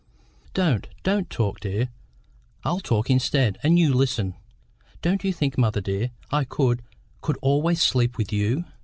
"Don't, don't talk, dear. I'll talk instead, and you listen. Don't you think, mother dear, I could could always sleep with you?